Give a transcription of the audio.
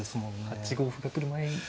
８五歩が来る前に。